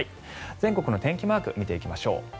全国の天気マーク見ていきましょう。